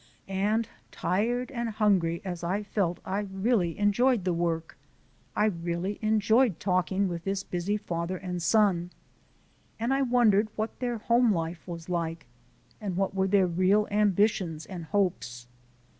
And tired and hungry as I felt I really enjoyed the work; I really enjoyed talking with this busy father and son, and I wondered what their home life was like and what were their real ambitions and hopes.